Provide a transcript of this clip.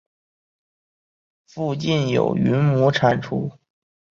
附近有云母产出。